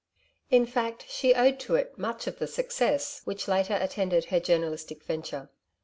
In fact, she owed to it much of the success which, later, attended her journalistic venture.